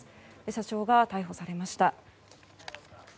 社長が逮捕されました。